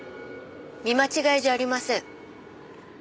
見間違いじゃありません。